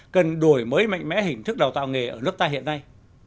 cần đổi mới mạnh mẽ hình thức đào tạo nghề ở nước ta hiện nay